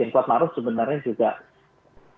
kuat maruf sebenarnya juga tidak